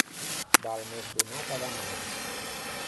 Val més donar que demanar.